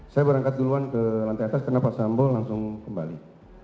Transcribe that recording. saya berangkat duluan ke lantai atas karena pak sambu langsung kembali